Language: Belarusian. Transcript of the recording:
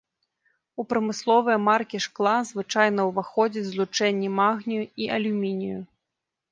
У прамысловыя маркі шкла звычайна ўваходзяць злучэнні магнію і алюмінію.